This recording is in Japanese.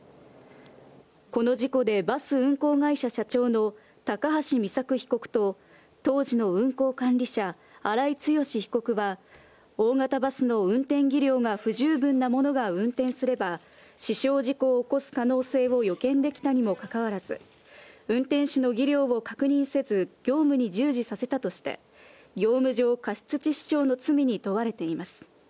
この事故でバス運行会社社長の高橋美作被告と、当時の運行管理者、荒井強被告は、大型バスの運転技量が不十分な者が運転すれば、死傷事故を起こす可能性を予見できたにもかかわらず、運転手の技量を確認せず、業務に従事させたとして、業務上過失致死傷の罪に問われています。